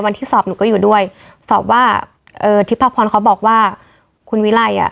วันที่สอบหนูก็อยู่ด้วยสอบว่าเออทิพพพรเขาบอกว่าคุณวิลัยอ่ะ